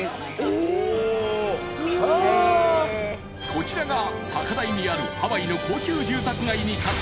［こちらが高台にあるハワイの高級住宅街に立つ］